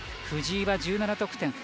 藤井は１７得点。